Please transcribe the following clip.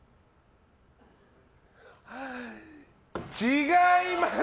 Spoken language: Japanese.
違います！